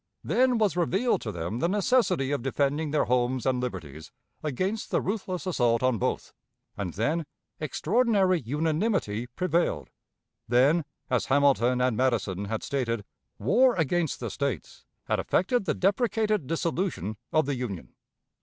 Then was revealed to them the necessity of defending their homes and liberties against the ruthless assault on both, and then extraordinary unanimity prevailed. Then, as Hamilton and Madison had stated, war against the States had effected the deprecated dissolution of the Union.